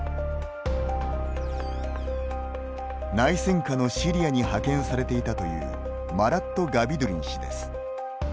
内戦下のシリアに派遣されていたというマラット・ガビドゥリン氏です。